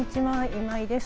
今井です。